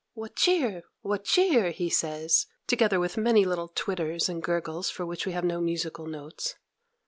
"What cheer! what cheer!" he says, together with many little twitters and gurgles for which we have no musical notes.